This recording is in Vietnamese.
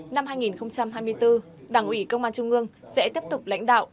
năm hai nghìn hai mươi bốn đảng ủy công an trung ương sẽ tiếp tục lãnh đạo